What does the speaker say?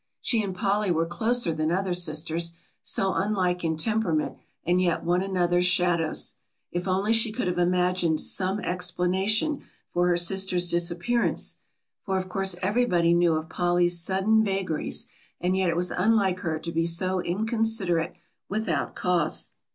She and Polly were closer than other sisters, so unlike in temperament and yet one another's shadows. If only she could have imagined some explanation for her sister's disappearance, for of course everybody knew of Polly's sudden vagaries and yet it was unlike her to be so inconsiderate without cause.